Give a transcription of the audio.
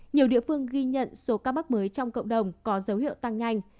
nhiều địa phương ghi nhận số ca mắc mới trong cộng đồng có dấu hiệu tăng nhanh